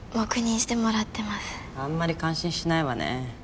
あんまり感心しないわね。